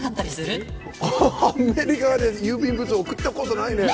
アメリカで郵便物を送ったことないね。